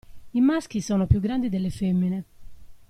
I maschi sono più grandi delle femmine.